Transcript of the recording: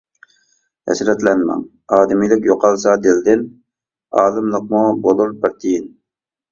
ھەسرەتلەنمەڭ ئادىمىيلىك يوقالسا دىلدىن، ئالىملىقمۇ بولۇر بىر تىيىن.